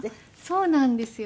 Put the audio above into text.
そうなんですよ。